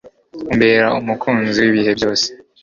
umbera umukunzi wibihe byose